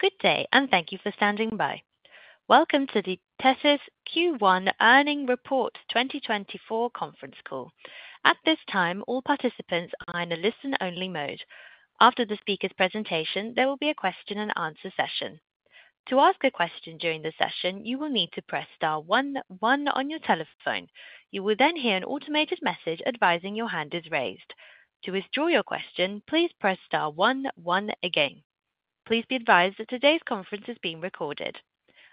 Good day, and thank you for standing by. Welcome to the Tethys Q1 Earnings Report 2024 Conference Call. At this time, all participants are in a listen-only mode. After the speaker's presentation, there will be a question-and-answer session. To ask a question during the session, you will need to press star one one on your telephone. You will then hear an automated message advising your hand is raised. To withdraw your question, please press star one one again. Please be advised that today's conference is being recorded.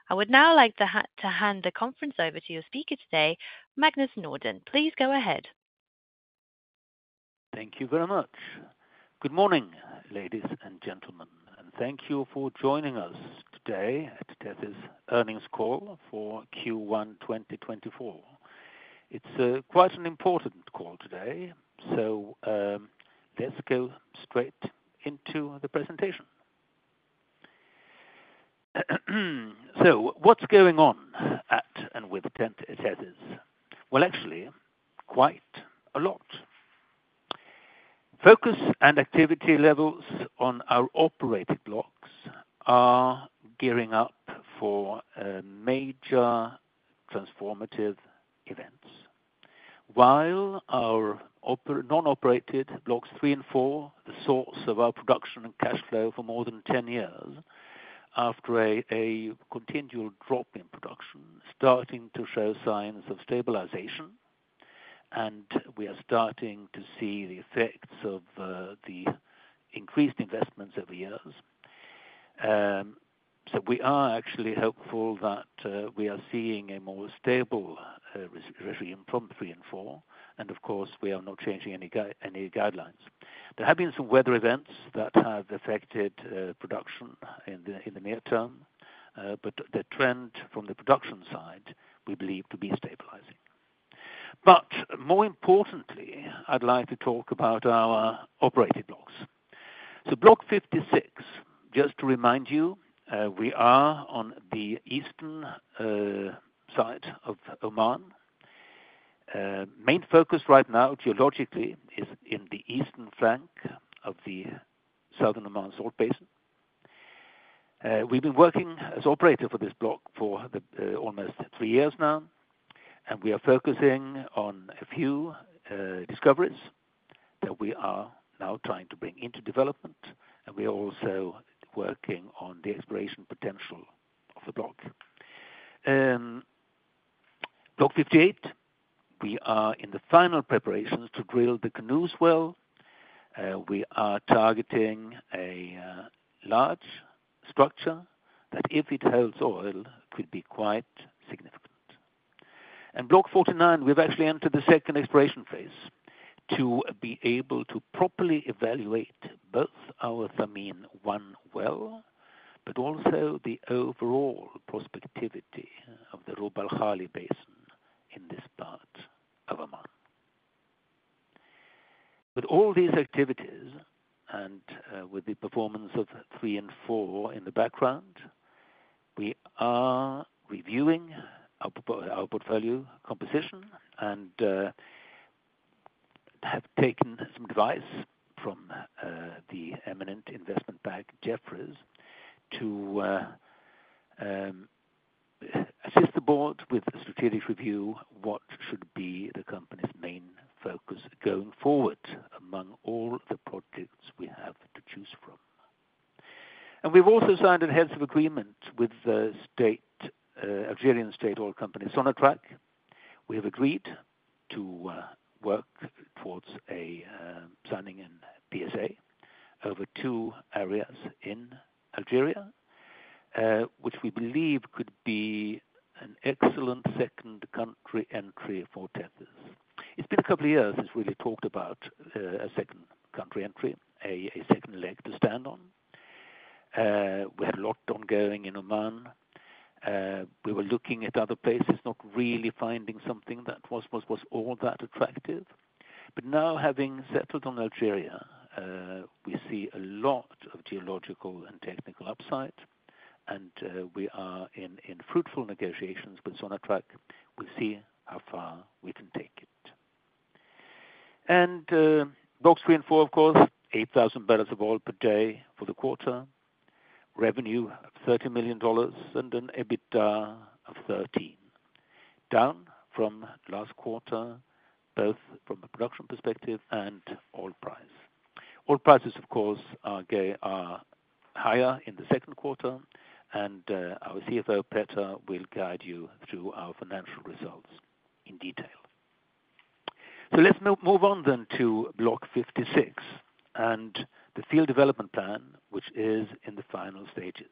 I would now like to to hand the conference over to your speaker today, Magnus Nordin. Please go ahead. Thank you very much. Good morning, ladies and gentlemen, and thank you for joining us today at Tethys' Earnings Call for Q1 2024. It's quite an important call today, so let's go straight into the presentation. So what's going on at and with Tethys? Well, actually, quite a lot. Focus and activity levels on our operated Blocks are gearing up for major transformative events. While our non-operated Blocks 3 and 4, the source of our production and cash flow for more than 10 years, after a continual drop in production, starting to show signs of stabilization, and we are starting to see the effects of the increased investments over years. So we are actually hopeful that we are seeing a more stable regime from three and four, and of course, we are not changing any guidelines. There have been some weather events that have affected production in the near term, but the trend from the production side, we believe to be stabilizing. But more importantly, I'd like to talk about our operated Blocks. So Block 56, just to remind you, we are on the eastern side of Oman. Main focus right now, geologically, is in the eastern flank of the Southern Oman Salt Basin. We've been working as operator for this Block for almost three years now, and we are focusing on a few discoveries that we are now trying to bring into development, and we are also working on the exploration potential of the Block. Block 58, we are in the final preparations to drill the Kunooz well. We are targeting a large structure, that if it holds oil, could be quite significant. In Block 49, we've actually entered the second exploration phase, to be able to properly evaluate both our Thameen-1 well, but also the overall prospectivity of the Rub al Khali Basin in this part of Oman. With all these activities, and with the performance of Blocks 3 and 4 in the background, we are reviewing our portfolio composition, and have taken some advice from the eminent investment bank, Jefferies, to assist the board with a strategic review, what should be the company's main focus going forward among all the projects we have to choose from. We've also signed a heads of agreement with the state Algerian state oil company, Sonatrach. We have agreed to work towards a signing a PSA over two areas in Algeria, which we believe could be an excellent second country entry for Tethys. It's been a couple of years since we've talked about a second country entry, a second leg to stand on. We had a lot ongoing in Oman. We were looking at other places, not really finding something that was all that attractive. But now, having settled on Algeria, we see a lot of geological and technical upside, and we are in fruitful negotiations with Sonatrach. We'll see how far we can take it. And Blocks 3 and 4, of course, 8,000 barrels of oil per day for the quarter. Revenue, $30 million, and an EBITDA of $13 million, down from last quarter, both from a production perspective and oil price. Oil prices, of course, are higher in the second quarter, and our CFO, Petter, will guide you through our financial results in detail. So let's move on then to Block 56, and the field development plan, which is in the final stages.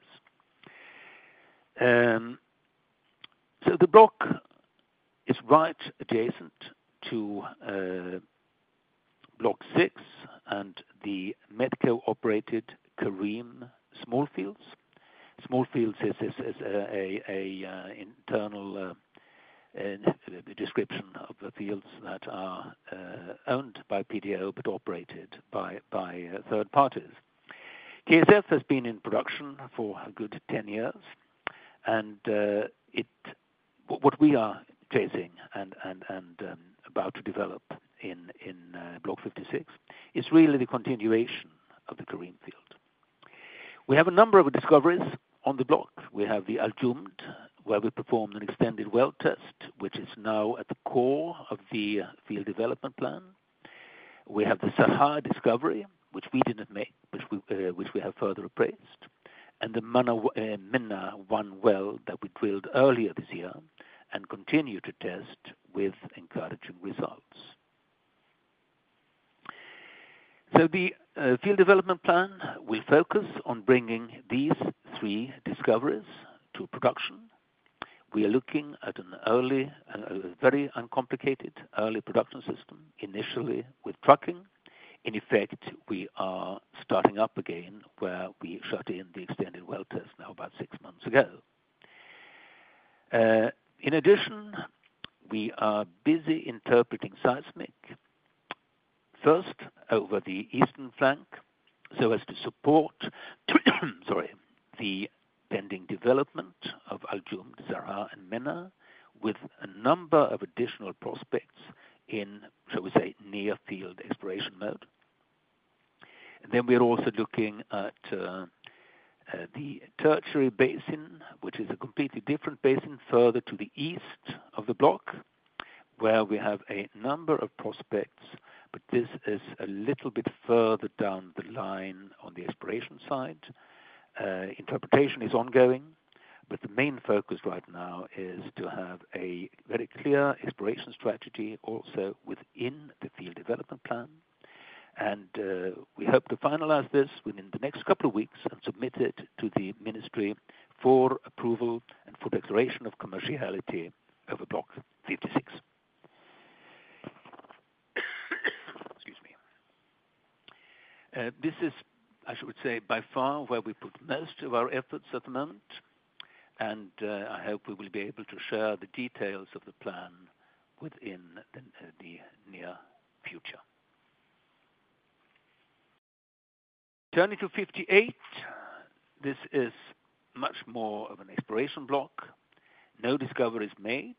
So the Block is right adjacent to Block 6 and the Medco-operated Karim Small Fields. Small fields is an internal description of the fields that are owned by PDO, but operated by third parties. KSF has been in production for a good 10 years. And it, what we are chasing and about to develop in Block 56, is really the continuation of the green field. We have a number of discoveries on the Block. We have the Al Jumd, where we performed an extended well test, which is now at the core of the Field Development Plan. We have the Sarha discovery, which we didn't make, which we, which we have further appraised, and the Menna-1 well that we drilled earlier this year, and continue to test with encouraging results. So the Field Development Plan will focus on bringing these three discoveries to production. We are looking at an early, very uncomplicated early production system, initially with trucking. In effect, we are starting up again, where we shut in the extended well test now, about six months ago. In addition, we are busy interpreting seismic, first over the eastern flank, so as to support, sorry, the pending development of Al Jumd, Sarha and Menna, with a number of additional prospects in, shall we say, near field exploration mode. And then we are also looking at the Tertiary Basin, which is a completely different basin, further to the east of the Block, where we have a number of prospects, but this is a little bit further down the line on the exploration side. Interpretation is ongoing, but the main focus right now is to have a very clear exploration strategy also within the field development plan. And we hope to finalize this within the next couple of weeks and submit it to the ministry for approval and for declaration of commerciality over Block 56. Excuse me. This is, I should say, by far, where we put most of our efforts at the moment, and I hope we will be able to share the details of the plan within the near future. Turning to 58, this is much more of an exploration Block. No discoveries made,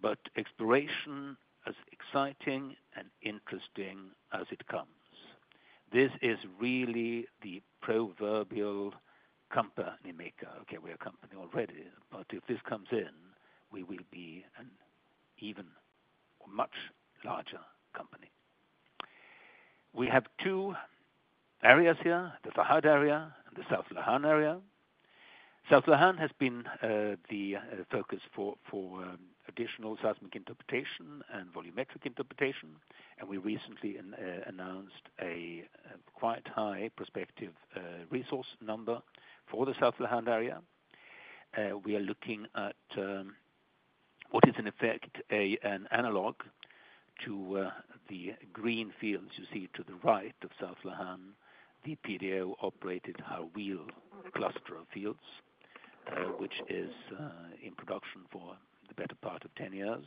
but exploration as exciting and interesting as it comes. This is really the proverbial company maker. Okay, we're a company already, but if this comes in, we will be an even much larger company. We have two areas here, the Fahd area and the South Lahan area. South Lahan has been the focus for additional seismic interpretation and volumetric interpretation, and we recently announced a quite high prospective resource number for the South Lahan area. We are looking at what is in effect a an analog to the green fields you see to the right of South Lahan, the PDO operated Harweel cluster of fields, which is in production for the better part of 10 years.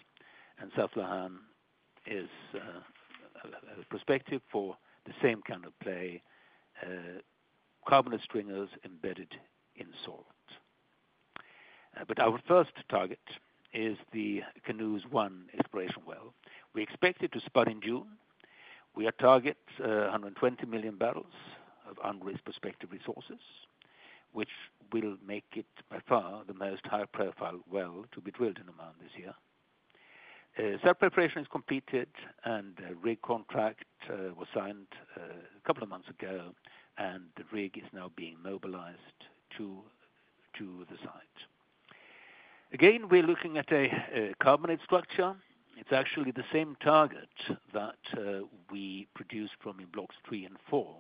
South Lahan is a prospect for the same kind of play, carbonate stringers embedded in salt. But our first target is the Kunooz-1 exploration well. We expect it to spud in June. We are targeting 120 million barrels of unrisked prospective resources, which will make it by far the most high profile well to be drilled in Oman this year. Site preparation is completed, and a rig contract was signed a couple of months ago, and the rig is now being mobilized to the site. Again, we're looking at a carbonate structure. It's actually the same target that we produced from in Blocks 3 and 4,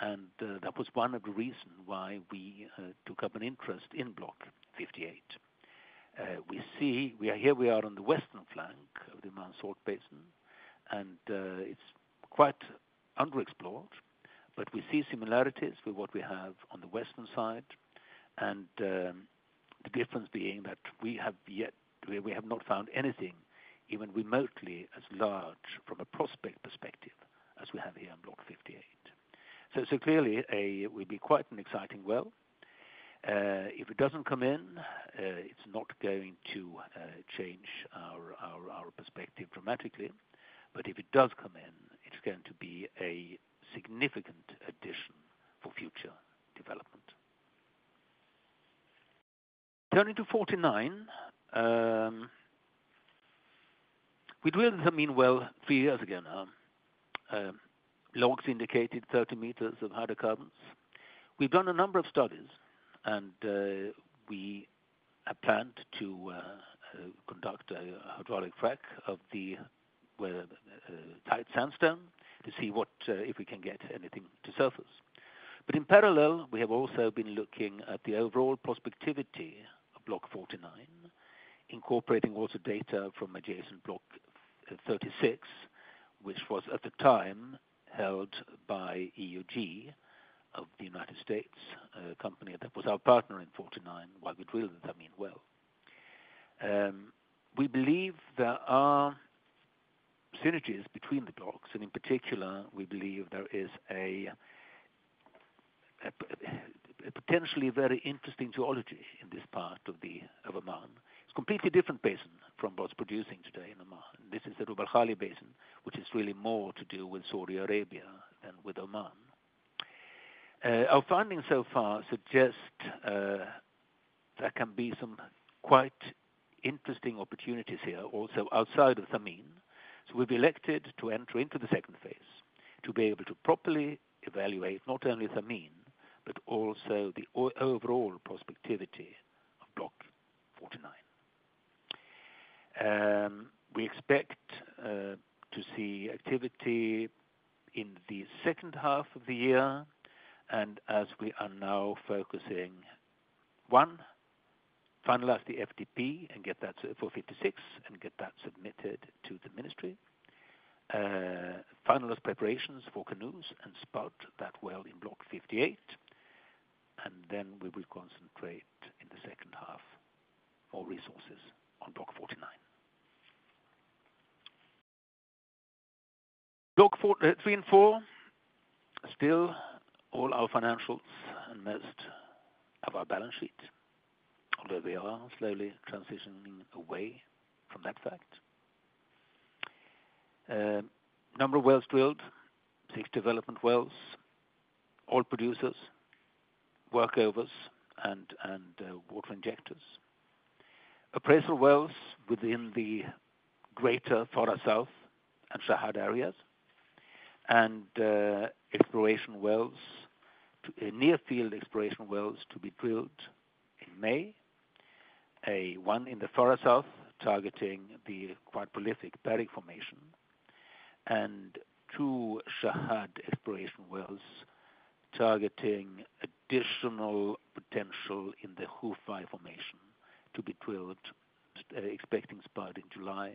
and that was one of the reasons why we took up an interest in Block 58. We see here we are on the western flank of the South Oman Salt Basin, and it's quite underexplored, but we see similarities with what we have on the western side, and the difference being that we have yet, we have not found anything, even remotely as large from a prospect perspective, as we have here on Block 58. So clearly, it will be quite an exciting well. If it doesn't come in, it's not going to change our perspective dramatically, but if it does come in, it's going to be a significant addition for future development. Turning to 49, we drilled the Amin well three years ago now. Logs indicated 30 meters of hydrocarbons. We've done a number of studies, and we have planned to conduct a hydraulic frack of the tight sandstone to see what if we can get anything to surface. But in parallel, we have also been looking at the overall prospectivity of Block 49, incorporating also data from adjacent Block 36, which was, at the time, held by EOG of the United States company. That was our partner in 49, while we drilled the Amin well. We believe there are synergies between the Blocks, and in particular, we believe there is a potentially very interesting geology in this part of the Oman. It's a completely different basin from what's producing today in Oman. This is the Rub al Khali Basin, which is really more to do with Saudi Arabia than with Oman. Our findings so far suggest there can be some quite interesting opportunities here, also outside of Thameen. So we've elected to enter into the second phase, to be able to properly evaluate not only Thameen, but also the overall prospectivity of Block 49. We expect to see activity in the second half of the year, and as we are now focusing on finalizing the FDP and getting that for Block 56, and getting that submitted to the ministry. Finalize preparations for Kunooz and spud that well in Block 58, and then we will concentrate in the second half more resources on Block 49. Block 4, 3 and 4, still all our financials and most of our balance sheet, although we are slowly transitioning away from that fact. Number of wells drilled, six development wells, oil producers, workovers and water injectors. Appraisal wells within the greater Farha South and Shahd areas, and exploration wells, near field exploration wells to be drilled in May. One in the Farha South, targeting the quite prolific Barik formation, and two Shahd exploration wells, targeting additional potential in the Khufai formation to be drilled, expecting to start in July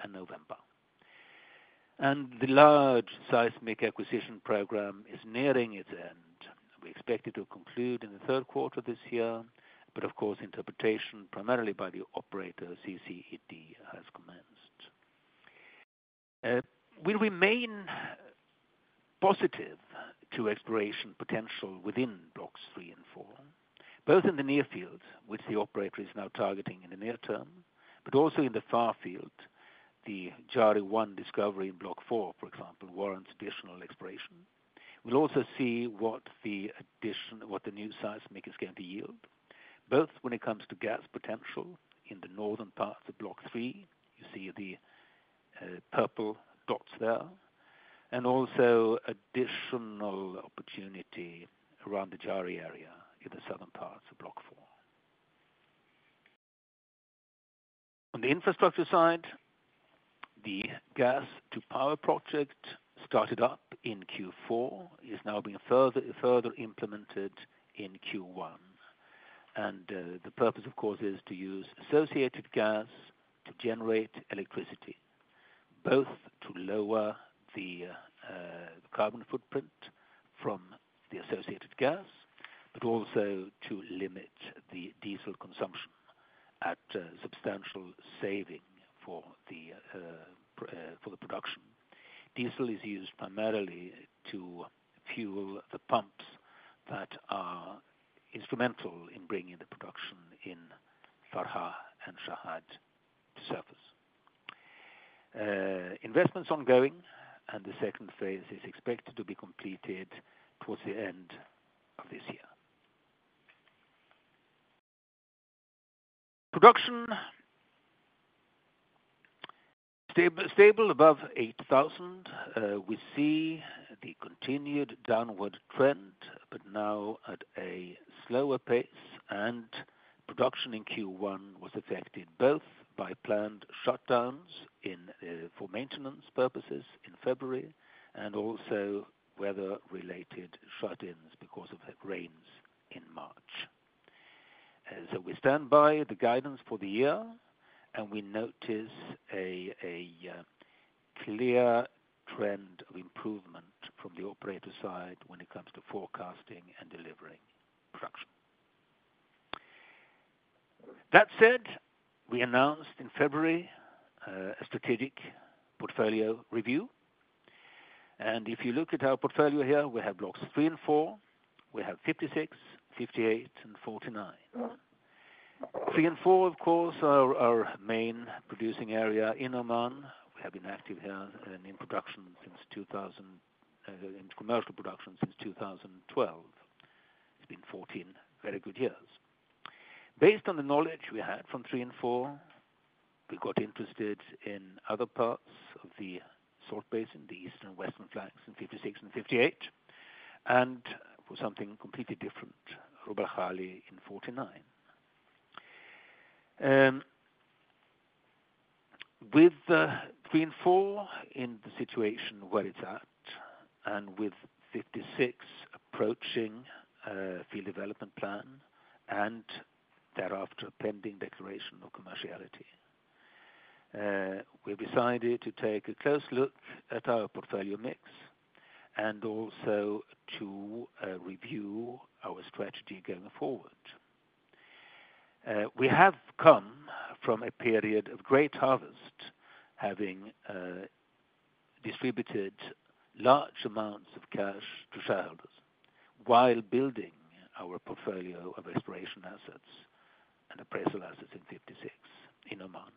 and November. And the large seismic acquisition program is nearing its end. We expect it to conclude in the third quarter this year, but of course, interpretation, primarily by the operator, CCED, has commenced. We remain positive to exploration potential within Block 3 and 4, both in the near field, which the operator is now targeting in the near term, but also in the far field, the Jari-1 discovery in Block 4, for example, warrants additional exploration. We'll also see what the new seismic is going to yield, both when it comes to gas potential in the northern parts of Block 3, you see the, purple dots there, and also additional opportunity around the Jari area in the southern parts of Block 4. On the infrastructure side, the gas-to-power project started up in Q4, is now being further implemented in Q1. The purpose, of course, is to use associated gas to generate electricity, both to lower the carbon footprint from the associated gas, but also to limit the diesel consumption at a substantial saving for the production. Diesel is used primarily to fuel the pumps that are instrumental in bringing the production in Farha and Shahd to surface. Investment's ongoing, and the second phase is expected to be completed towards the end of this year. Production stable above 8,000. We see the continued downward trend, but now at a slower pace, and production in Q1 was affected both by planned shutdowns for maintenance purposes in February, and also weather-related shut-ins because of the rains in March. So we stand by the guidance for the year, and we notice a clear trend of improvement from the operator side when it comes to forecasting and delivering production. That said, we announced in February a strategic portfolio review, and if you look at our portfolio here, we have Blocks 3 and 4, we have 56, 58, and 49. 3 and 4, of course, are our main producing area in Oman. We have been active here and in production since 2000, in commercial production since 2012. It's been 14 very good years. Based on the knowledge we had from 3 and 4, we got interested in other parts of the South Basin, the eastern and western flanks in 56 and 58, and for something completely different, Rub al Khali in 49. With 3 and 4 in the situation where it's at, and with 56 approaching field development plan, and thereafter, pending declaration of commerciality, we've decided to take a close look at our portfolio mix, and also to review our strategy going forward. We have come from a period of great harvest, having distributed large amounts of cash to shareholders, while building our portfolio of exploration assets and appraisal assets in 56 in Oman.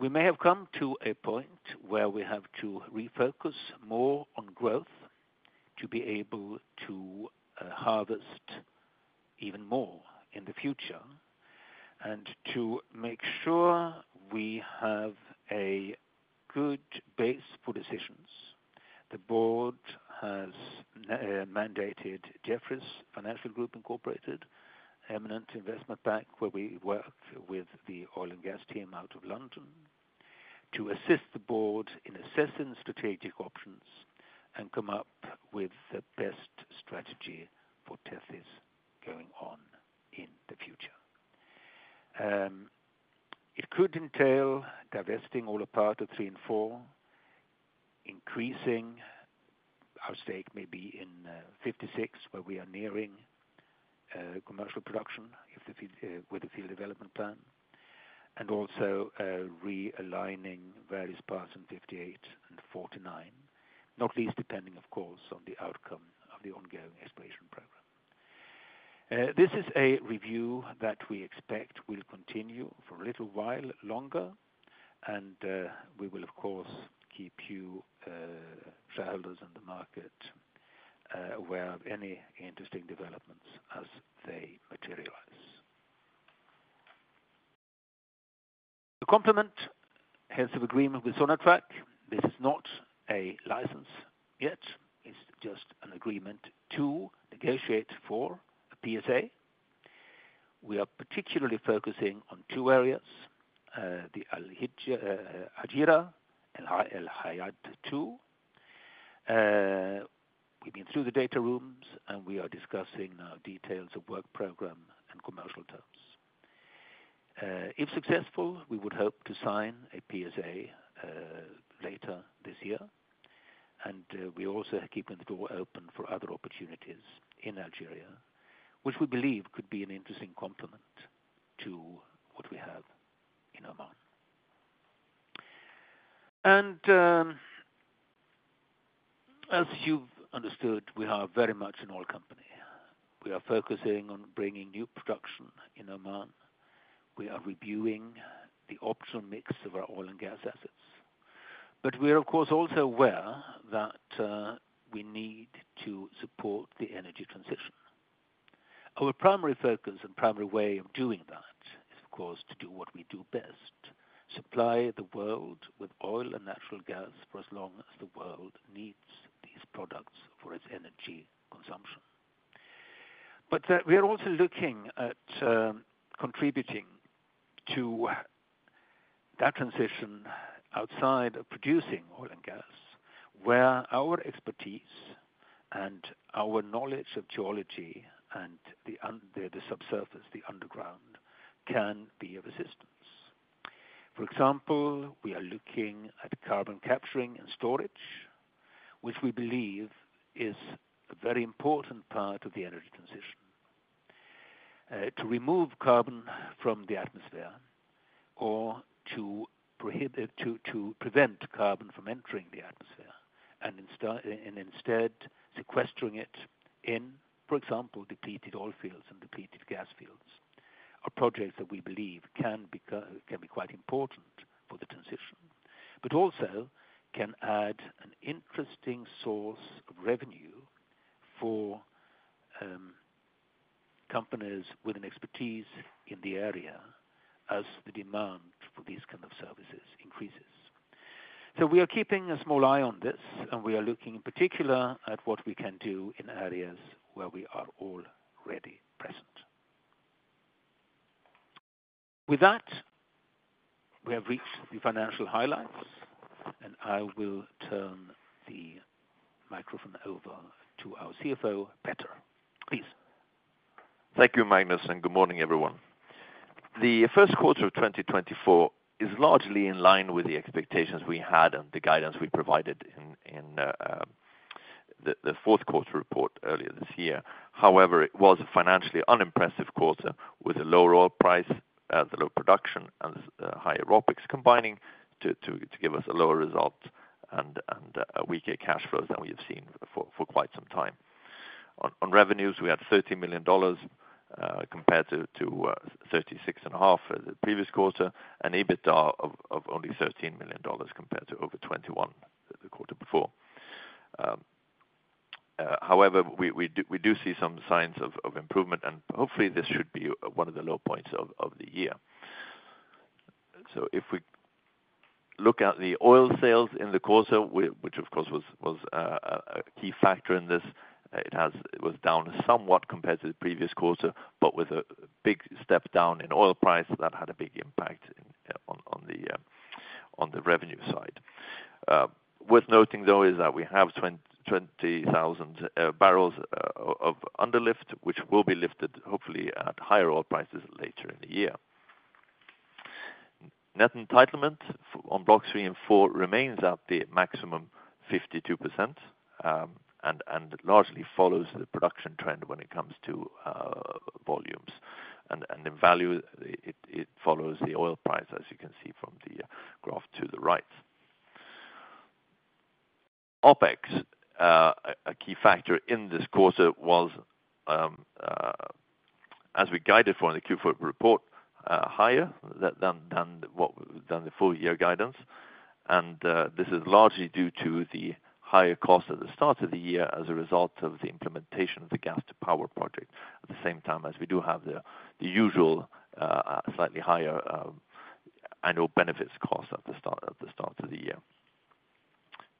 We may have come to a point where we have to refocus more on growth, to be able to harvest even more in the future. To make sure we have a good base for decisions, the board has mandated Jefferies Financial Group Incorporated, eminent investment bank, where we work with the oil and gas team out of London, to assist the board in assessing strategic options and come up with the best strategy for Tethys going on in the future. It could entail divesting all or part of three and four, increasing our stake may be in 56, where we are nearing commercial production with the field development plan, and also realigning various parts in 58 and 49. Not least, depending, of course, on the outcome of the ongoing exploration program. This is a review that we expect will continue for a little while longer, and we will, of course, keep you shareholders in the market aware of any interesting developments as they materialize. To complement heads of agreement with Sonatrach, this is not a license yet, it's just an agreement to negotiate for a PSA. We are particularly focusing on two areas, the El Hadjira and El Haiad II. We've been through the data rooms, and we are discussing now details of work program and commercial terms. If successful, we would hope to sign a PSA later this year. And, we're also keeping the door open for other opportunities in Algeria, which we believe could be an interesting complement to what we have in Oman. And, as you've understood, we are very much an oil company. We are focusing on bringing new production in Oman. We are reviewing the optimal mix of our oil and gas assets, but we are, of course, also aware that we need to support the energy transition. Our primary focus and primary way of doing that is, of course, to do what we do best, supply the world with oil and natural gas for as long as the world needs these products for its energy consumption. But we are also looking at contributing to that transition outside of producing oil and gas, where our expertise and our knowledge of geology and the subsurface, the underground, can be of assistance. For example, we are looking at carbon capturing and storage, which we believe is a very important part of the energy transition. To remove carbon from the atmosphere, or to prohibit—to prevent carbon from entering the atmosphere, and instead sequestering it in, for example, depleted oil fields and depleted gas fields, are projects that we believe can be quite important for the transition, but also can add an interesting source of revenue for companies with an expertise in the area, as the demand for these kind of services increases. So we are keeping a small eye on this, and we are looking in particular at what we can do in areas where we are already present. With that, we have reached the financial highlights, and I will turn the microphone over to our CFO, Petter, please. Thank you, Magnus, and good morning, everyone. The first quarter of 2024 is largely in line with the expectations we had and the guidance we provided in the fourth quarter report earlier this year. However, it was a financially unimpressive quarter with a lower oil price, the low production and higher OPEX combining to give us a lower result and weaker cash flows than we have seen for quite some time. On revenues, we had $30 million compared to 36.5 the previous quarter, and EBITDA of only $13 million compared to over 21 the quarter before. However, we do see some signs of improvement, and hopefully, this should be one of the low points of the year. So if we look at the oil sales in the quarter, which of course was a key factor in this, it was down somewhat compared to the previous quarter, but with a big step down in oil price, that had a big impact on the revenue side. Worth noting, though, is that we have 20,000 barrels of under lift, which will be lifted, hopefully, at higher oil prices later in the year. Net entitlement on Block 3 and 4 remains at the maximum 52%, and largely follows the production trend when it comes to volumes. And in value, it follows the oil price, as you can see from the graph to the right. OpEx, a key factor in this quarter was, as we guided for in the Q4 report, higher than, than, what, than the full year guidance, and, this is largely due to the higher cost at the start of the year as a result of the implementation of the gas to power project, at the same time as we do have the usual, slightly higher, annual benefits cost at the start of the year.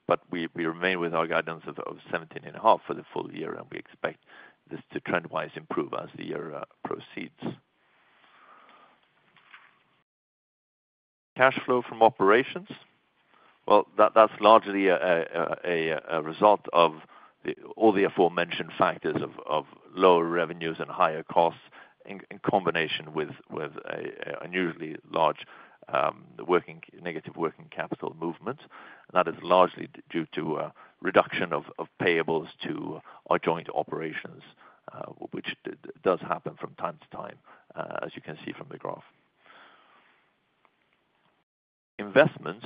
But we remain with our guidance of $17.5 for the full year, and we expect this to trend-wise improve as the year proceeds. Cash flow from operations, well, that's largely a result of all the aforementioned factors of lower revenues and higher costs, in combination with a unusually large negative working capital movement. That is largely due to a reduction of payables to our joint operations, which does happen from time to time, as you can see from the graph. Investments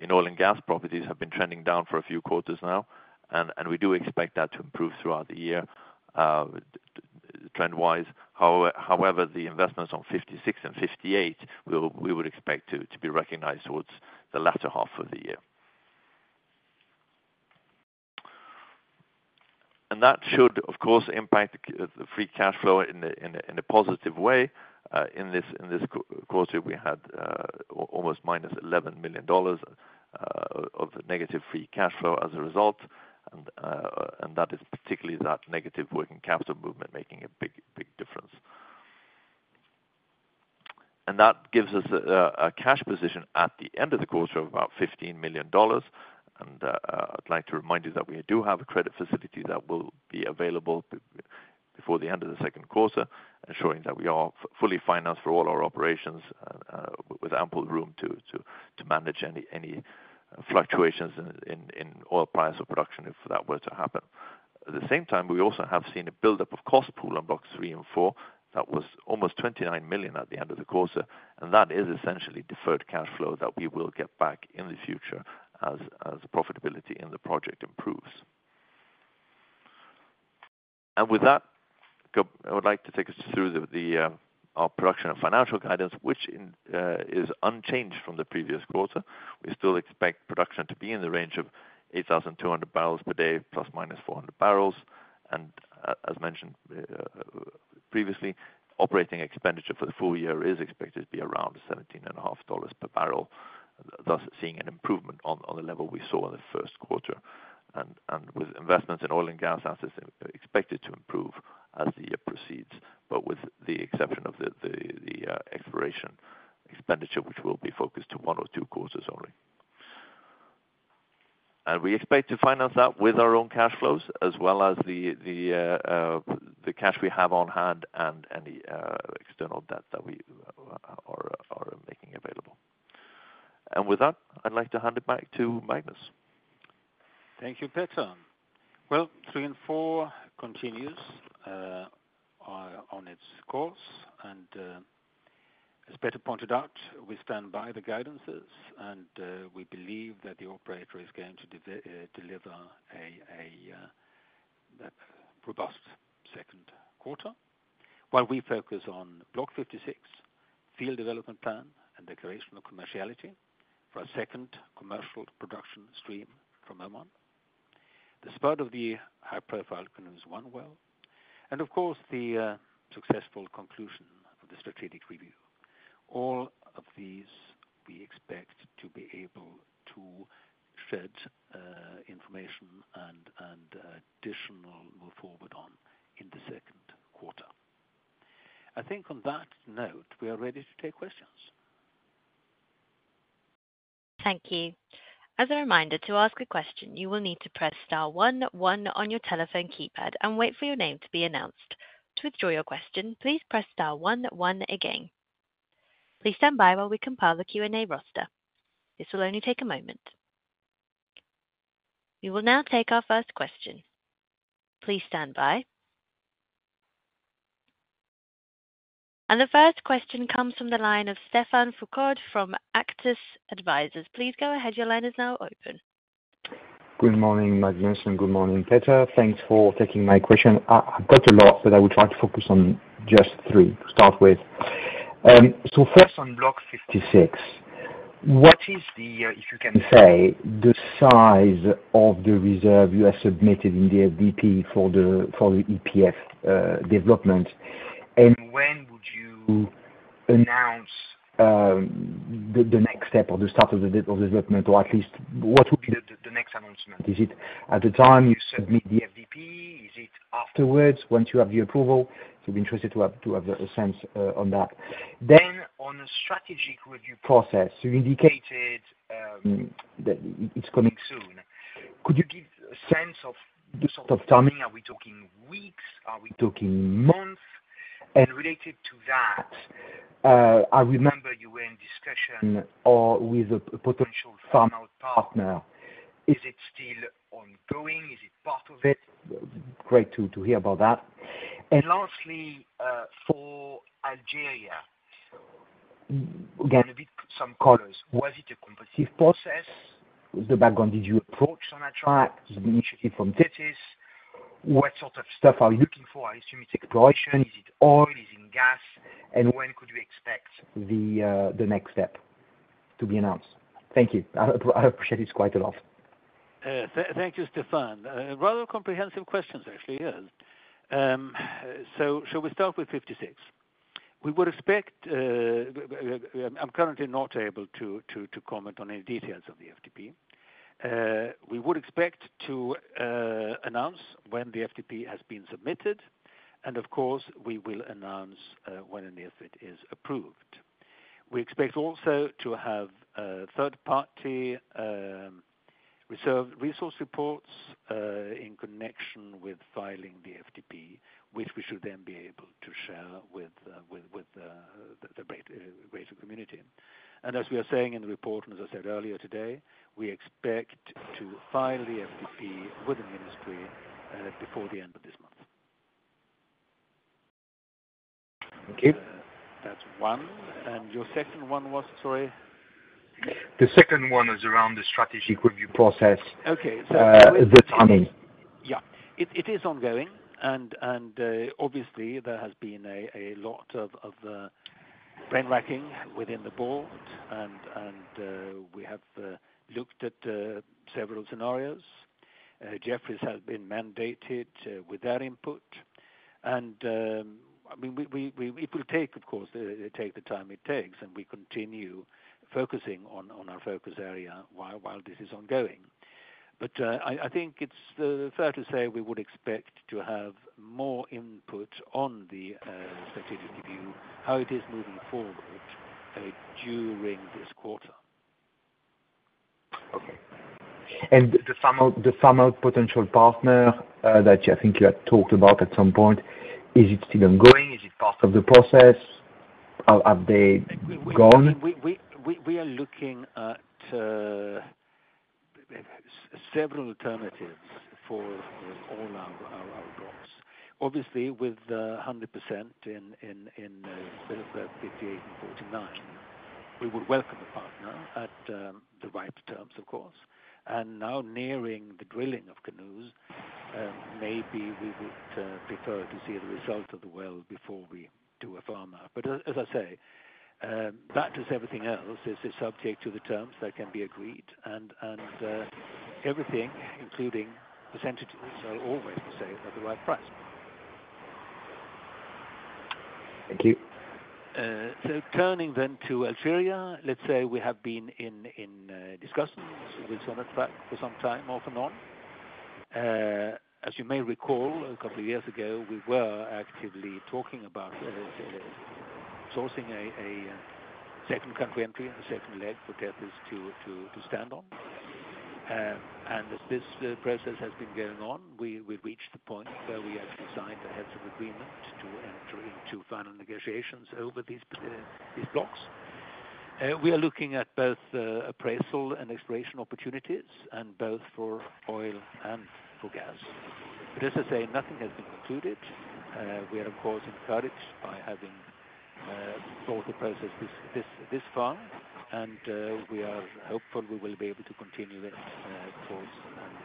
in oil and gas properties have been trending down for a few quarters now, and we do expect that to improve throughout the year, trend-wise. However, the investments on 56 and 58, we would expect to be recognized towards the latter half of the year. And that should, of course, impact the free cash flow in a positive way. In this quarter, we had almost -$11 million of negative free cash flow as a result, and that is particularly that negative working capital movement, making a big, big difference. That gives us a cash position at the end of the quarter of about $15 million, and I'd like to remind you that we do have a credit facility that will be available before the end of the second quarter, ensuring that we are fully financed for all our operations, with ample room to manage any fluctuations in oil price or production, if that were to happen. At the same time, we also have seen a buildup of cost pool on Block 3 and 4, that was almost $29 million at the end of the quarter, and that is essentially deferred cash flow that we will get back in the future as, as profitability in the project improves. And with that, I would like to take us through the, the, our production and financial guidance, which, in, is unchanged from the previous quarter. We still expect production to be in the range of 8,200 barrels per day, ±400 barrels, and as mentioned, previously, operating expenditure for the full year is expected to be around $17.5 per barrel, thus, seeing an improvement on, on the level we saw in the first quarter. And with investments in oil and gas assets expected to improve as the year proceeds, but with the exception of the exploration expenditure, which will be focused to one or two quarters only. And we expect to finance that with our own cash flows, as well as the cash we have on hand and any external debt that we are making available. And with that, I'd like to hand it back to Magnus. Thank you, Petter. Well, Three and Four continues on its course, and as Petter pointed out, we stand by the guidances, and we believe that the operator is going to deliver a robust second quarter. While we focus on Block 56 field development plan and declaration of commerciality for a second commercial production stream from Oman. The start of the high-profile Kunooz-1 well, and of course, the successful conclusion of the strategic review. All of these, we expect to be able to shed information and additional move forward on in the second quarter. I think on that note, we are ready to take questions. Thank you. As a reminder, to ask a question, you will need to press star one one on your telephone keypad and wait for your name to be announced. To withdraw your question, please press star one one again. Please stand by while we compile the Q&A roster. This will only take a moment. We will now take our first question. Please stand by. The first question comes from the line of Stephane Foucaud from Auctus Advisors. Please go ahead, your line is now open. Good morning, Magnus, and good morning, Petter. Thanks for taking my question. I've got a lot, but I will try to focus on just three to start with. So first on Block 56, what is the, if you can say, the size of the reserve you have submitted in the FDP for the, for the EPF, development? And when would you announce, the next step or the start of the development, or at least, what would be the next announcement? Is it at the time you submit the FDP? Afterwards, once you have the approval, so we'd be interested to have a sense on that. Then on the strategic review process, you indicated, that it's coming soon. Could you give a sense of the sort of timing? Are we talking weeks? Are we talking months? And related to that, I remember you were in discussion or with a potential farm-out partner. Is it still ongoing? Is it part of it? Great to hear about that. And lastly, for Algeria, again, a bit some colors. Was it a competitive process? The background, did you approach on a track? Is it an initiative from Tethys? What sort of stuff are you looking for? I assume it's exploration. Is it oil? Is it gas? And when could we expect the next step to be announced? Thank you. I appreciate it quite a lot. Thank you, Stephane. Rather comprehensive questions, actually, yes. So shall we start with 56? We would expect, I'm currently not able to comment on any details of the FDP. We would expect to announce when the FDP has been submitted, and of course, we will announce when and if it is approved. We expect also to have a third-party reserve resource reports in connection with filing the FDP, which we should then be able to share with the greater community. And as we are saying in the report, and as I said earlier today, we expect to file the FDP with the Ministry before the end of this month. Okay. That's one, and your second one was, sorry? The second one was around the strategic review process. Okay, so- The timing. Yeah. It is ongoing, and obviously, there has been a lot of brain-racking within the board, and we have looked at several scenarios. Jefferies has been mandated with their input, and I mean, it will take, of course, it take the time it takes, and we continue focusing on our focus area while this is ongoing. But I think it's fair to say we would expect to have more input on the strategic review, how it is moving forward, during this quarter. Okay. The farm-out, the farm-out potential partner, that I think you had talked about at some point, is it still ongoing? Is it part of the process? Are they gone? We are looking at several alternatives for all our Blocks. Obviously, with 100% in 58 and 49, we would welcome a partner at the right terms, of course. Now, nearing the drilling of Kunooz, maybe we would prefer to see the result of the well before we do a farmout. But as I say, that, as everything else, is subject to the terms that can be agreed, and everything, including percentages, are always the same at the right price. Thank you. So turning then to Algeria, let's say we have been in discussions with Sonatrach for some time, off and on. As you may recall, a couple of years ago, we were actively talking about sourcing a second country entry and a second leg for Tethys to stand on. And this process has been going on. We've reached the point where we actually signed the heads of agreement to enter into final negotiations over these Blocks. We are looking at both appraisal and exploration opportunities, and both for oil and for gas. But as I say, nothing has been concluded. We are, of course, encouraged by having brought the process this far, and we are hopeful we will be able to continue it, of course, and work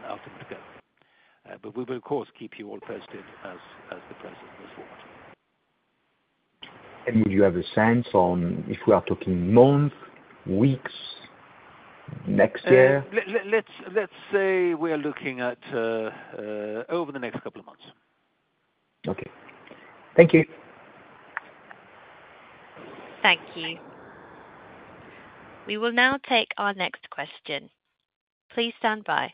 it out together. But we will, of course, keep you all posted as the process moves forward. Do you have a sense on if we are talking months, weeks, next year? Let's say we are looking at over the next couple of months. Okay. Thank you. Thank you. We will now take our next question. Please stand by.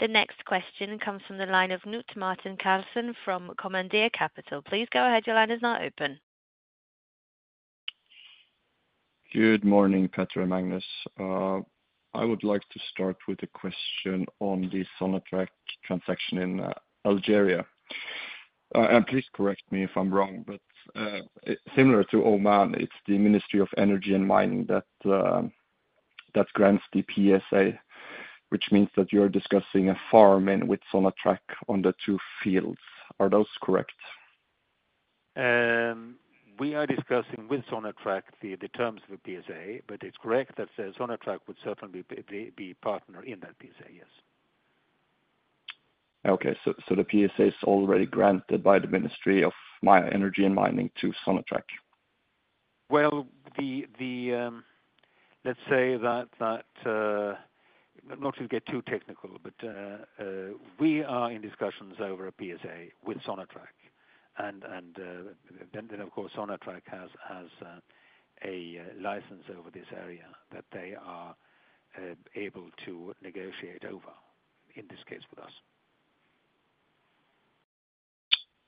The next question comes from the line of Knut Martin Carlsen from Commenda Capital. Please go ahead. Your line is now open. Good morning, Petter and Magnus. I would like to start with a question on the Sonatrach transaction in Algeria. Please correct me if I'm wrong, but similar to Oman, it's the Ministry of Energy and Mining that that grants the PSA, which means that you're discussing a farm in with Sonatrach on the two fields. Are those correct? We are discussing with Sonatrach the terms of the PSA, but it's correct that Sonatrach would certainly be partner in that PSA, yes. Okay, so the PSA is already granted by the Ministry of Energy and Mining to Sonatrach? Well, let's say that not to get too technical, but we are in discussions over a PSA with Sonatrach. And then of course, Sonatrach has a license over this area that they are able to negotiate over, in this case, with us.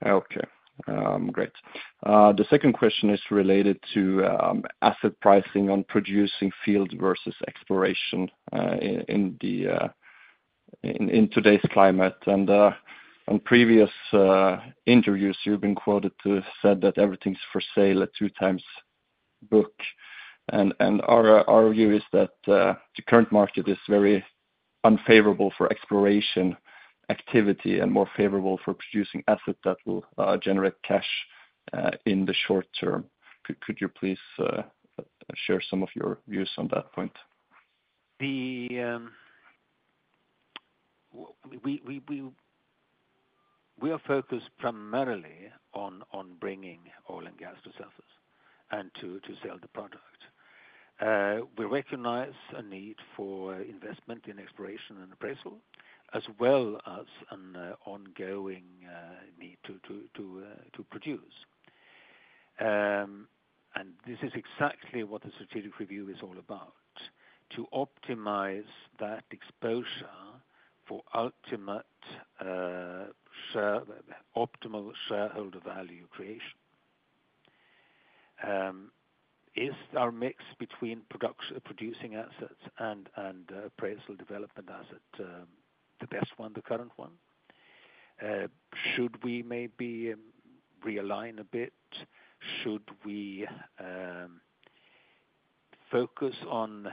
Okay, great. The second question is related to asset pricing on producing field versus exploration in today's climate. On previous interviews, you've been quoted to have said that everything's for sale at 2x book. Our view is that the current market is very unfavorable for exploration activity and more favorable for producing assets that will generate cash in the short term. Could you please share some of your views on that point? We are focused primarily on bringing oil and gas to surface and to sell the product. We recognize a need for investment in exploration and appraisal, as well as an ongoing need to produce. This is exactly what the strategic review is all about, to optimize that exposure for ultimate optimal shareholder value creation. Is our mix between producing assets and appraisal development assets the best one, the current one? Should we maybe realign a bit? Should we focus on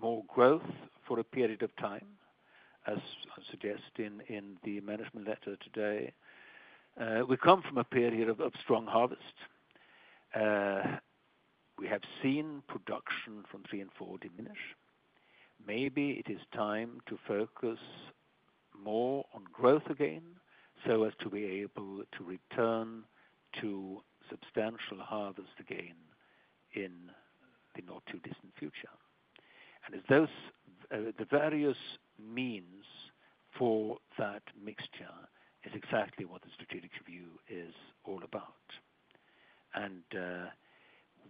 more growth for a period of time, as I suggest in the management letter today? We come from a period of strong harvest. We have seen production from 3 and 4 diminish. Maybe it is time to focus more on growth again, so as to be able to return to substantial harvest again in the not too distant future. And as those, the various means for that mixture is exactly what the strategic review is all about. And,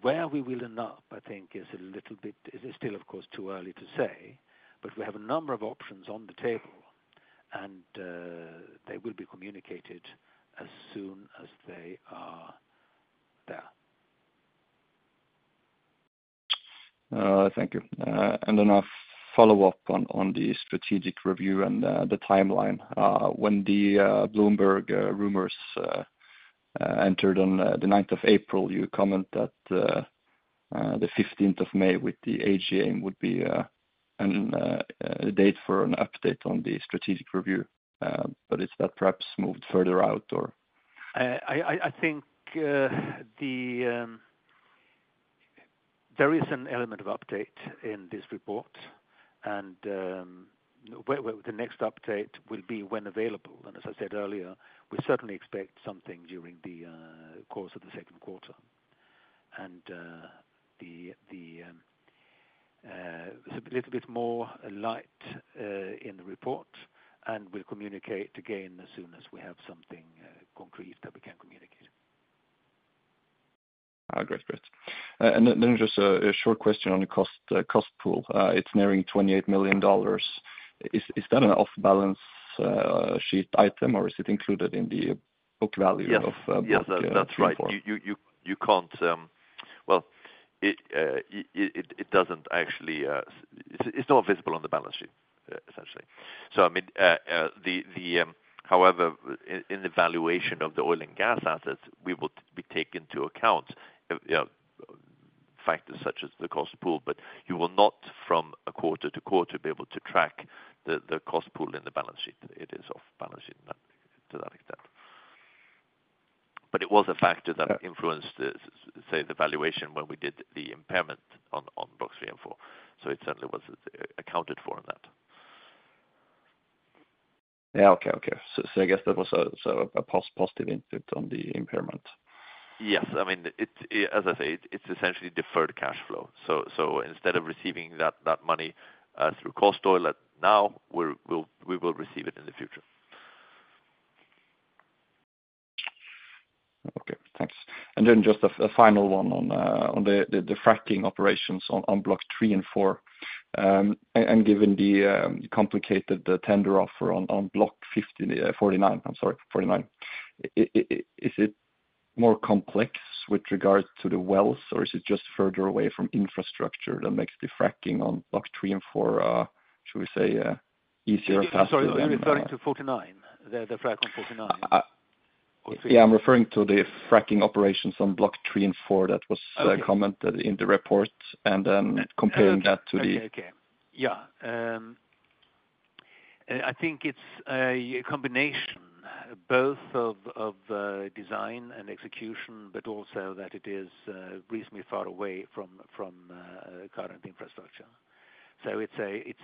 where we will end up, I think is a little bit, it is still, of course, too early to say, but we have a number of options on the table, and, they will be communicated as soon as they are there. Thank you. And then I'll follow up on the strategic review and the timeline. When the Bloomberg rumors entered on the ninth of April, you comment that the 15th of May with the AGM would be a date for an update on the strategic review. But is that perhaps moved further out or? I think there is an element of update in this report, and where the next update will be when available. And as I said earlier, we certainly expect something during the course of the second quarter. And a little bit more light in the report, and we'll communicate again as soon as we have something concrete that we can communicate. Great, great. And then just a short question on the cost pool. It's nearing $28 million. Is that an off-balance-sheet item, or is it included in the book value of- Yes, yes, that's right. Block 3 and 4? You can't, well, it doesn't actually, it's not visible on the balance sheet, essentially. So I mean, however, in the valuation of the oil and gas assets, we will be take into account factors such as the cost pool, but you will not, from a quarter-to-quarter, be able to track the cost pool in the balance sheet. It is off balance sheet, not to that extent. But it was a factor that influenced, say, the valuation when we did the impairment on Blocks 3 and 4, so it certainly was accounted for in that. Yeah, okay, okay. So, I guess that was a positive input on the impairment. Yes. I mean, it's, as I say, it's essentially deferred cash flow. So, instead of receiving that money through cost oil, now we will receive it in the future. Okay, thanks. And then just a final one on the fracking operations on Blocks 3 and 4. Given the complicated tender offer on Block 50, 49, I'm sorry, 49, is it more complex with regards to the wells, or is it just further away from infrastructure that makes the fracking on Block 3 and 4, should we say, easier, faster than- Sorry, you're referring to 49, the frack on 49? Yeah, I'm referring to the fracking operations on Block 3 and 4. Okay. That was commented in the report, and comparing that to the- Okay, okay. Yeah. I think it's a combination both of design and execution, but also that it is reasonably far away from current infrastructure. So it's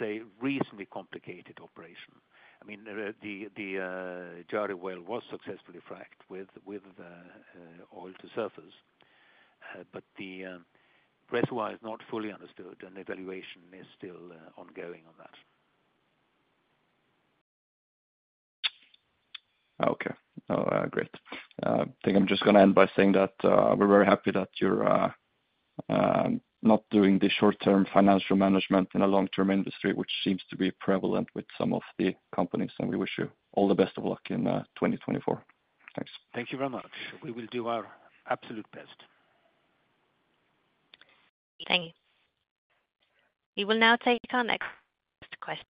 a reasonably complicated operation. I mean, the Jari well was successfully fracked with oil to surface, but the risk-wise not fully understood, and evaluation is still ongoing on that. Okay. Oh, great. I think I'm just gonna end by saying that we're very happy that you're not doing the short-term financial management in a long-term industry, which seems to be prevalent with some of the companies, and we wish you all the best of luck in 2024. Thanks. Thank you very much. We will do our absolute best. Thank you. We will now take our next question.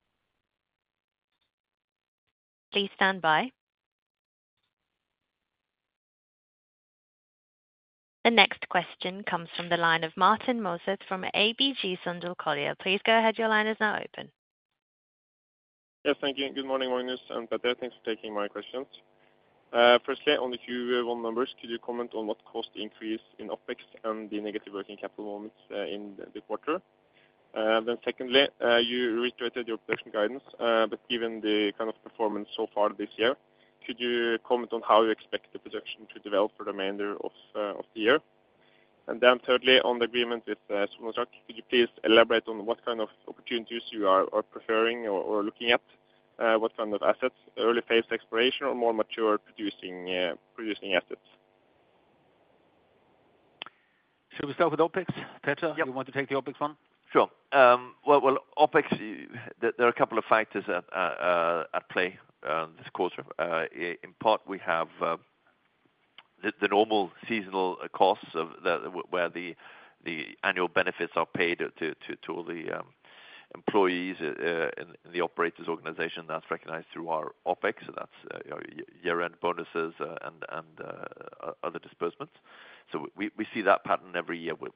Please stand by. The next question comes from the line of Martin Mauseth from ABG Sundal Collier. Please go ahead, your line is now open. Yes, thank you. Good morning, Magnus and Petter, thanks for taking my questions. Firstly, on the Q1 numbers, could you comment on what cost increase in OpEx and the negative working capital moments in the quarter? Then secondly, you reiterated your production guidance, but given the kind of performance so far this year, could you comment on how you expect the production to develop for the remainder of the year? And then thirdly, on the agreement with Sonatrach, could you please elaborate on what kind of opportunities you are preferring or looking at? What kind of assets, early phase exploration or more mature producing producing assets? Should we start with OpEx? Petter- Yep. You want to take the OpEx one? Sure. Well, OpEx, there are a couple of factors at play this quarter. In part, we have the normal seasonal costs where the annual benefits are paid to all the employees in the operators' organization. That's recognized through our OpEx, so that's year-end bonuses and other disbursements. So we see that pattern every year with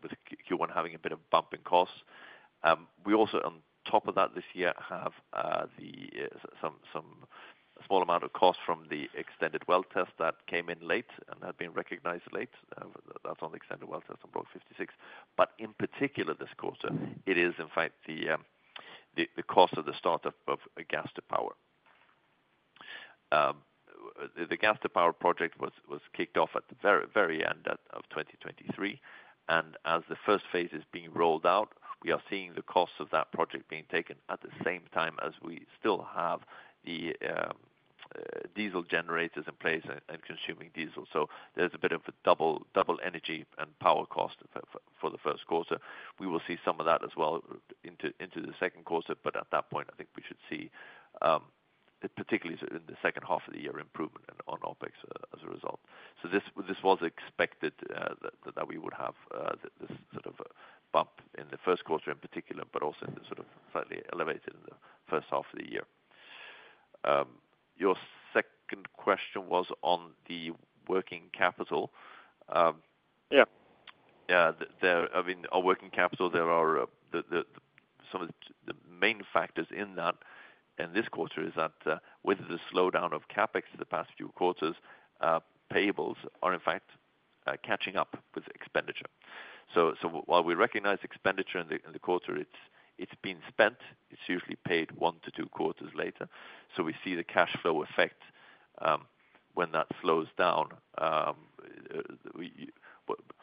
Q1 having a bit of bump in costs. We also, on top of that, this year, have some small amount of costs from the extended well test that came in late and have been recognized late. That's on the extended well test on Block 56. But in particular, this quarter, it is in fact the cost of the start of gas to power. The gas to power project was kicked off at the very end of 2023, and as the first phase is being rolled out, we are seeing the cost of that project being taken at the same time as we still have the diesel generators in place and consuming diesel. So there's a bit of a double energy and power cost for the first quarter. We will see some of that as well into the second quarter, but at that point, I think we should see, particularly in the second half of the year, improvement on OpEx as a result. So this, this was expected, that, that we would have this sort of bump in the first quarter in particular, but also the sort of slightly elevated in the first half of the year. Your second question was on the working capital, Yeah. Yeah, I mean, our working capital, there are some of the main factors in that in this quarter is that, with the slowdown of CapEx in the past few quarters, payables are in fact catching up with expenditure. So while we recognize expenditure in the quarter, it's been spent, it's usually paid one to two quarters later. So we see the cash flow effect when that slows down.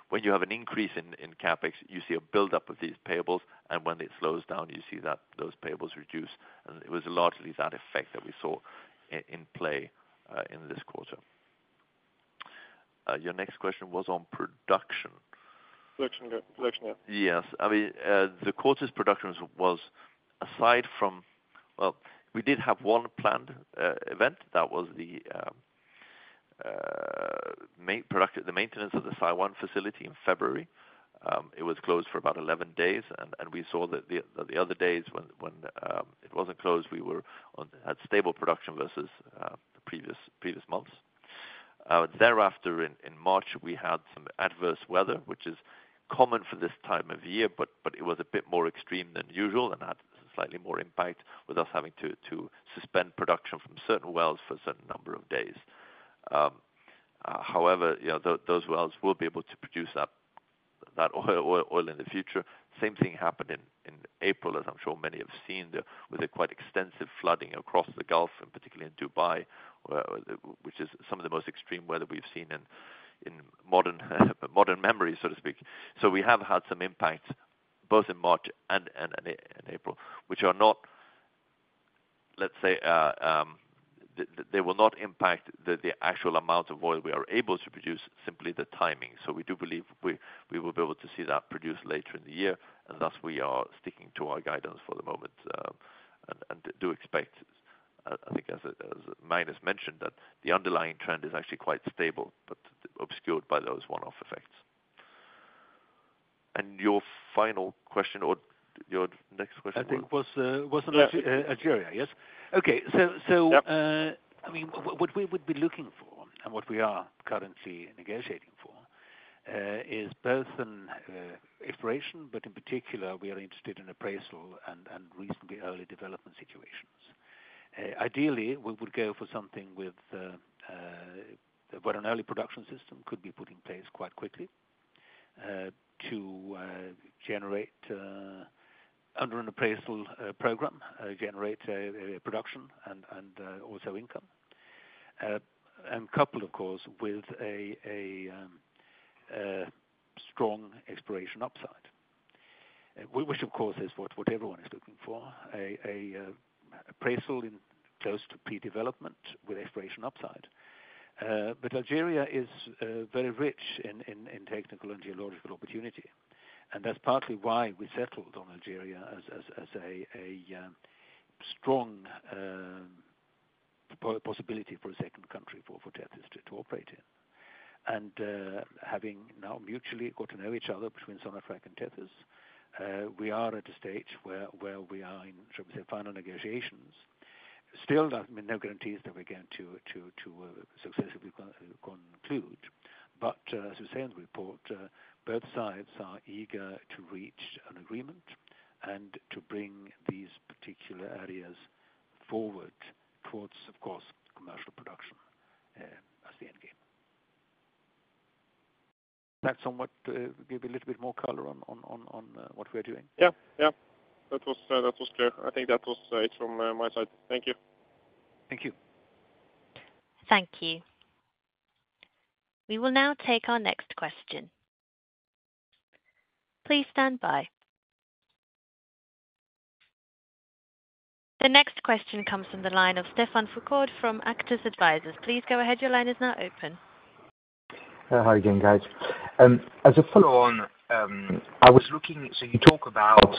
When you have an increase in CapEx, you see a buildup of these payables, and when it slows down, you see that those payables reduce, and it was largely that effect that we saw in play in this quarter. Your next question was on production. Production, yeah, production, yeah. Yes. I mean, the quarter's production was aside from... Well, we did have one planned event. That was the maintenance of the Saiwan facility in February. It was closed for about 11 days, and we saw that the other days when it wasn't closed, we had stable production versus the previous months. Thereafter, in March, we had some adverse weather, which is common for this time of year, but it was a bit more extreme than usual and had slightly more impact with us having to suspend production from certain wells for a certain number of days. However, you know, those wells will be able to produce that oil in the future. Same thing happened in April, as I'm sure many have seen, with a quite extensive flooding across the Gulf, and particularly in Dubai, which is some of the most extreme weather we've seen in modern memory, so to speak. So we have had some impact, both in March and April, which are not, let's say, they will not impact the actual amount of oil we are able to produce, simply the timing. So we do believe we will be able to see that produced later in the year, and thus, we are sticking to our guidance for the moment, and do expect, I think as Magnus mentioned, that the underlying trend is actually quite stable, but obscured by those one-off effects. And your final question or your next question? I think was on- Yeah... Algeria, yes? Okay. So, so- Yep... I mean, what we would be looking for, and what we are currently negotiating for, is both an exploration, but in particular, we are interested in appraisal and reasonably early development situations. Ideally, we would go for something with where an early production system could be put in place quite quickly, to generate under an appraisal program generate production and also income.... and coupled, of course, with a strong exploration upside. Which of course, is what everyone is looking for, a appraisal in close to pre-development with exploration upside. But Algeria is very rich in technical and geological opportunity, and that's partly why we settled on Algeria as a strong possibility for a second country for Tethys to operate in. And having now mutually got to know each other between Sonatrach and Tethys, we are at a stage where we are in, shall we say, final negotiations. Still, I mean, no guarantees that we're going to successfully conclude. But as we say in the report, both sides are eager to reach an agreement, and to bring these particular areas forward towards, of course, commercial production as the end game. That somewhat give you a little bit more color on what we're doing? Yeah, yeah. That was, that was clear. I think that was it from, my side. Thank you. Thank you. Thank you. We will now take our next question. Please stand by. The next question comes from the line of Stephane Foucaud from Auctus Advisors. Please go ahead, your line is now open. Hi again, guys. As a follow on, I was looking, so you talk about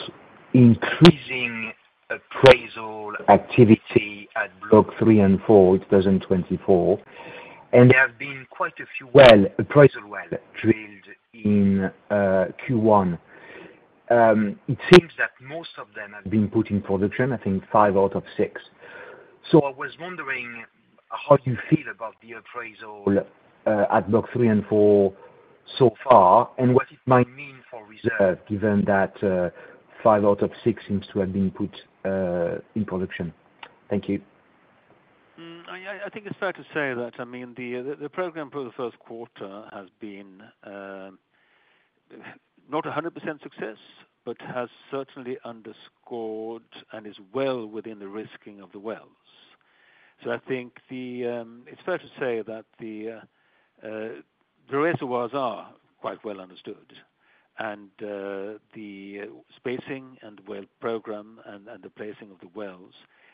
increasing appraisal activity at Block 3 and 4 in 2024, and there have been quite a few appraisal wells drilled in Q1. It seems that most of them have been put in production, I think five out of six. So I was wondering how you feel about the appraisal at Block 3 and 4 so far, and what it might mean for reserves, given that five out of six seems to have been put in production? Thank you. I think it's fair to say that, I mean, the program for the first quarter has been not 100% success, but has certainly underscored and is well within the risking of the wells. So I think it's fair to say that the reservoirs are quite well understood, and the spacing and well program and the placing of the wells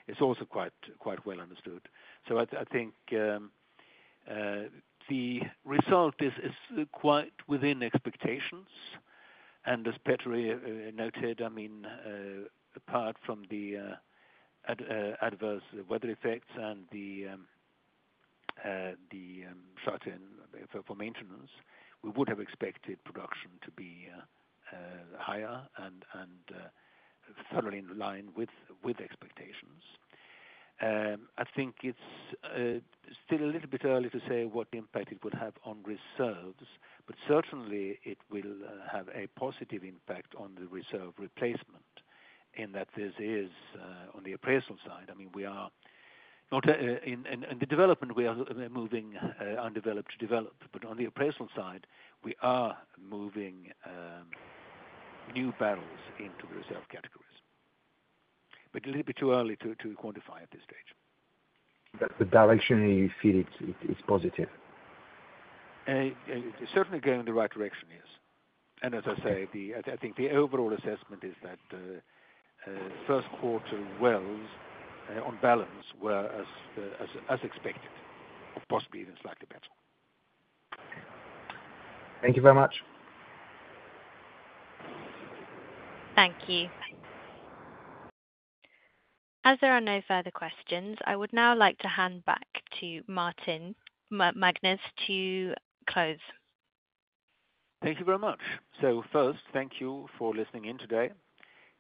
is also quite well understood. So I think the result is quite within expectations, and as Petter noted, I mean, apart from the adverse weather effects and the shutdown for maintenance, we would have expected production to be higher and thoroughly in line with expectations. I think it's still a little bit early to say what impact it would have on reserves, but certainly it will have a positive impact on the reserve replacement, in that this is on the appraisal side. I mean, we are not in the development, we are, we're moving undeveloped to developed, but on the appraisal side, we are moving new barrels into the reserve categories. But a little bit too early to quantify at this stage. But the direction you feel it's positive? It's certainly going in the right direction, yes. As I say, I think the overall assessment is that first quarter wells, on balance, were as expected, or possibly even slightly better. Thank you very much. Thank you. As there are no further questions, I would now like to hand back to Martin, Magnus, to close. Thank you very much. First, thank you for listening in today.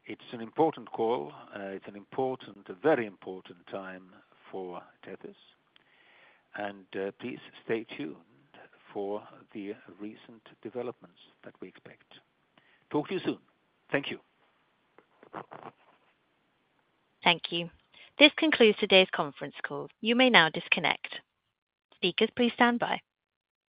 It's an important call. It's an important, a very important time for Tethys, and please stay tuned for the recent developments that we expect. Talk to you soon. Thank you. Thank you. This concludes today's conference call. You may now disconnect. Speakers, please stand by.